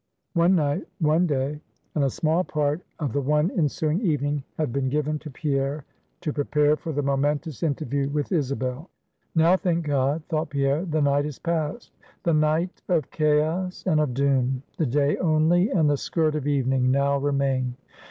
One night, one day, and a small part of the one ensuing evening had been given to Pierre to prepare for the momentous interview with Isabel. Now, thank God, thought Pierre, the night is past, the night of Chaos and of Doom; the day only, and the skirt of evening now remain.